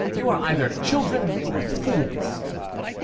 You are either children or fools!"